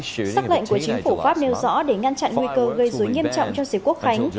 trước lệnh của chính phủ pháp nêu rõ để ngăn chặn nguy cơ gây dối nghiêm trọng cho dịp quốc khánh